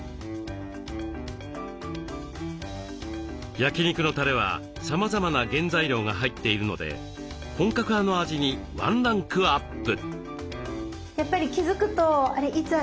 焼肉のたれはさまざまな原材料が入っているので本格派の味にワンランクアップ。